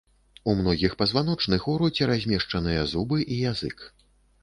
У многіх пазваночных у роце размешчаныя зубы і язык.